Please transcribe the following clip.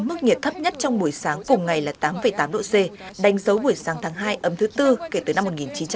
mức nhiệt cao nhất trong buổi sáng cùng ngày là tám tám độ c đánh dấu buổi sáng tháng hai ấm thứ tư kể từ năm một nghìn chín trăm linh bảy